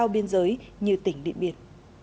biên giới như tỉnh điện biên